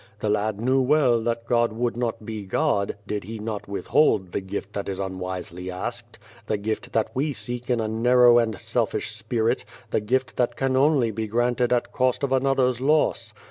The lad knew well that God would not be God, did He not withhold the gift that is unwisely asked, the gift that we seek in a narrow and selfish spirit, the gift that can only be granted at cost of another's loss.